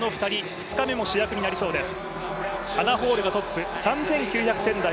２日目も主役になりそうです。